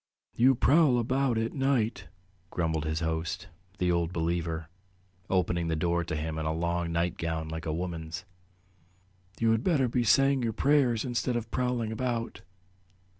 "You prowl about at night," grumbled his host, the Old Believer, opening the door to him, in a long nightgown like a woman's. "You had better be saying your prayers instead of prowling about."